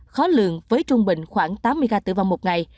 khó lường với trung bình khoảng tám mươi ca tử vong một ngày